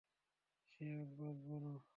সে আজ বাঁচবে না।